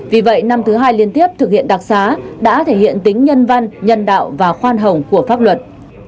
vì vậy năm thứ hai liên tiếp thực hiện đặc xá đã thể hiện tính nhân văn nhân đạo và khoan hồng của pháp luật